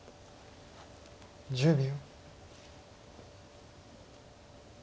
１０秒。